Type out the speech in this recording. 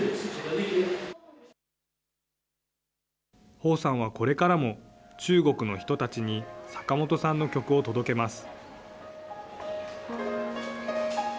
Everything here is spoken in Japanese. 彭さんはこれからも、中国の人たちに坂本さんの曲を届けます。